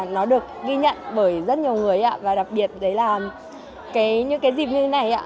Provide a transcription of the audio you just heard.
nó được ghi nhận bởi rất nhiều người và đặc biệt là những dịp như thế này